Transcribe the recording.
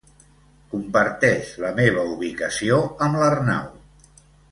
Comparteix la meva ubicació amb l'Arnau.